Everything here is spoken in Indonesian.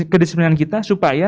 kedisiplinan kita supaya